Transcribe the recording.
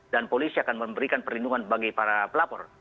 dan polisi akan memberikan perlindungan bagi para pelapor